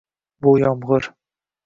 Bu yomg’ir –